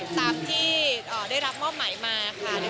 ตามที่ได้รับมอบหมายมาค่ะ